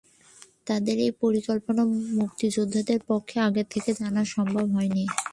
তাদের এই পরিকল্পনা মুক্তিযোদ্ধাদের পক্ষে আগে থেকে জানা সম্ভব হয়নি।